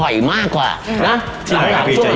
อย่ายืนที่เภียบของเขาผม